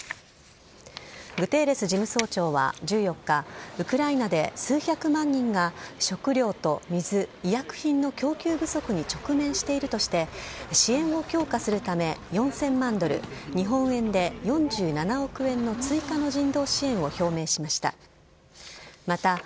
グテーレス事務総長は１４日、ウクライナで数百万人が食糧と水、医薬品の供給不足に直面しているとして、支援を強化するため、４０００万ドル、日本円で４７億円の追加の人道支援を表明しました。